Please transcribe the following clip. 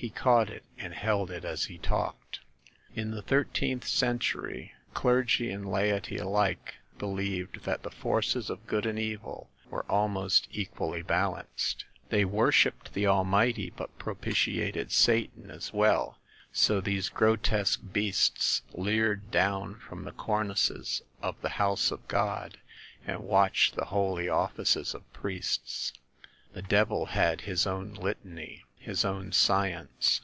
He caught it and held it as he talked. "In the thirteenth century clergy and laity alike believed that the forces of good and evil were almost equally balanced. They worshiped the Almighty, but propitiated Satan as well; so these grotesque beasts leered down from the cornices of the house of God, and watched the holy offices of priests. The devil had his own litany, his own science.